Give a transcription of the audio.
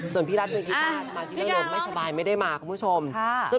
ส่วนพี่ลัสเตอร์กีตาร์มาที่นโรนไม่ชะบายไม่ได้มาคุณผู้ชมพี่กางร้องเพลง